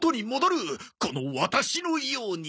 このワタシのように！